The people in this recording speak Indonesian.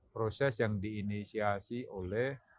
proses yang diinisiasi oleh